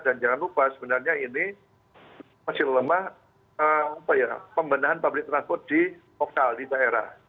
dan jangan lupa sebenarnya ini masih lemah pembenahan public transport di lokal di daerah